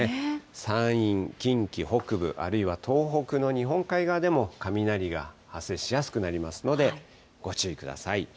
山陰、近畿北部、あるいは東北の日本海側でも雷が発生しやすくなりますので、ご注意ください。